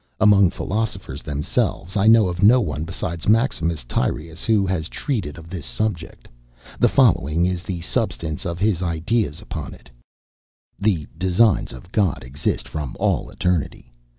Among philosophers themselves, I know of no one besides Maximus Tyrius who has treated of this subject. The following is the substance of his ideas upon it: The designs of God exist from all eternity.